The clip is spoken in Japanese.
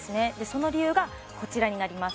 その理由がこちらになります